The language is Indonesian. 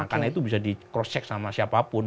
karena itu bisa di cross check sama siapapun